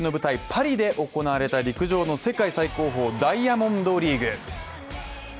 パリで行われた陸上の世界最高峰ダイヤモンドリーグ。